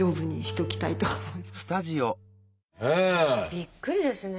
びっくりですね。